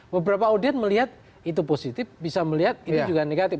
beberapa audien melihat itu positif bisa melihat ini juga negatif